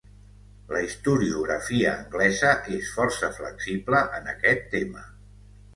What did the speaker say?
La historiografia anglesa és força flexible en aquest tema.